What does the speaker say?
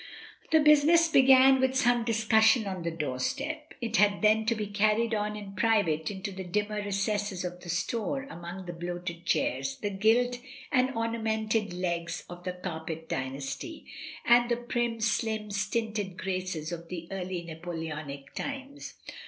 DYMOND. The business began with some discussion on the door step, it had then to be carried on in private into the dimmer recesses of the store among the bloated chairs, the gilt and ornamented legs of the Capet dynasty, and the prim, slim, stinted graces of the early Napoleonic times.